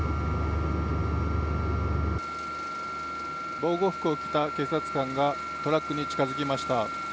防護服を着た警察官がトラックに近づきました。